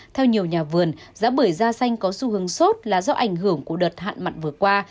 theo nhiều nhà vườn giá bưởi da xanh có xu hướng sốt là do ảnh hưởng của đợt hạn mặn vừa qua